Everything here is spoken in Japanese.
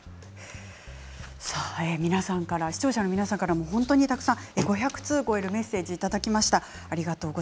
皆さんからも本当にたくさん５００通を超えるメッセージをいただきました。